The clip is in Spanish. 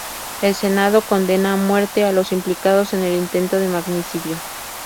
El senado condena a muerte a los implicados en el intento de magnicidio.